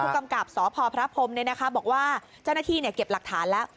คุณกำกับสอพพพพรพมนะบอกว่าเจ้าหน้าที่เนี่ยเก็บหลักฐานแล้ว